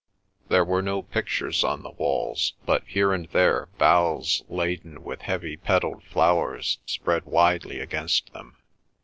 There were no pictures on the walls but here and there boughs laden with heavy petalled flowers spread widely against them.